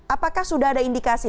apakah sudah ada indikasi